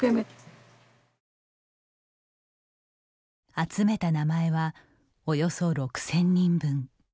集めた名前はおよそ６０００人分。